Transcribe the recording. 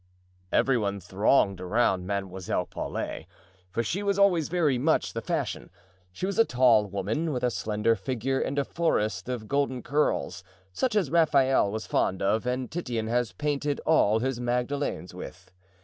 Every one thronged around Mademoiselle Paulet, for she was always very much the fashion. She was a tall woman, with a slender figure and a forest of golden curls, such as Raphael was fond of and Titian has painted all his Magdalens with.